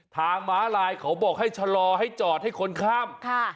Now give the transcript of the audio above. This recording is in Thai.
ม้าลายเขาบอกให้ชะลอให้จอดให้คนข้าม